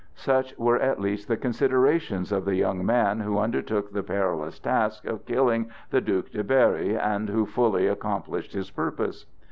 Such were at least the considerations of the young man who undertook the perilous task of killing the Duc de Berry, and who fully accomplished his purpose.